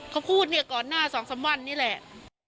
เขาพูดเนี่ยก่อนหน้า๒๓วันนี้แหละ